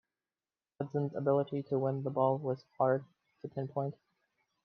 Hudson's ability to win the ball was hard to pinpoint.